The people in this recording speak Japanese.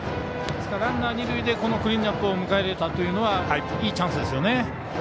ワンアウト二塁でクリーンアップを迎えられたというのはいいチャンスですよね。